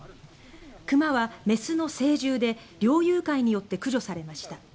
熊は雌の成獣で猟友会によって駆除されました。